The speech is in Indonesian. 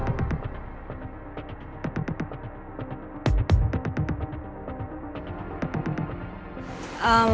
gak usah dalenan